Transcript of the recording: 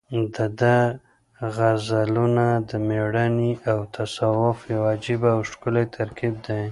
د ده غزلونه د مېړانې او تصوف یو عجیبه او ښکلی ترکیب دی.